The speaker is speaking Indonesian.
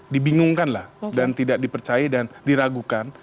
dibingungkan lah dan tidak dipercaya dan diragukan